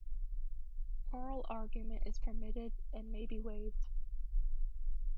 Oral argument is permitted and may be waived.